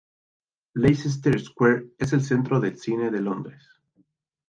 Leicester Square es el centro del cine de Londres.